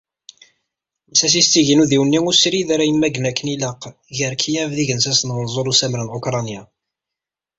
Llsas-is d tigin udiwenni usrid ara yemmagen akken ilaq gar Kiev d yigensasen n Wenẓul Usammar n Ukrinya.